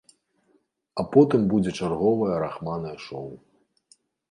А потым будзе чарговае рахманае шоў.